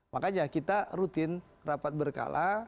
makanya kita rutin rapat berkala